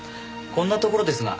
こんなところですが。